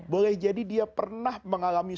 boleh jadi dia pernah mengalami